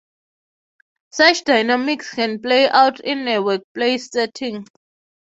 Such dynamics can play out in a workplace setting.